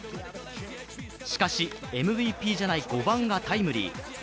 しかし、ＭＶＰじゃない５番がタイムリー。